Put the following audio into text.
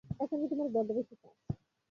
এখানে তোমার বড্ড বেশি কাজ।